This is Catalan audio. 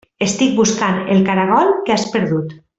Estic buscant el caragol que has perdut.